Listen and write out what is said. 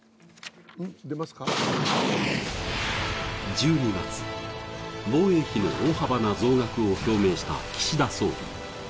１２月、防衛費の大幅な増額を表明した岸田総理。